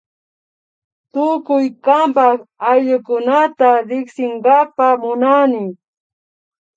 Tukuy kanpak ayllukunata riksinkapak munani